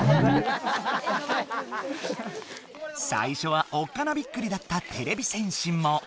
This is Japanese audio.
最初はおっかなびっくりだったてれび戦士も。